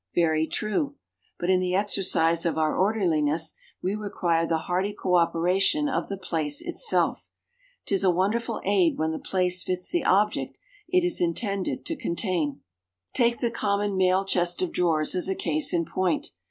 Very true. But in the exercise of our orderliness we require the hearty co operation of the "place" itself. 'Tis a wonderful aid when the place fits the object it is intended to contain. Take the common male chest of drawers as a case in point.